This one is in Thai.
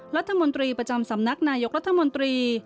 รัฐมนตรีประจำสำนักนายกรัฐมนตรี